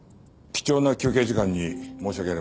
貴重な休憩時間に申し訳ありません。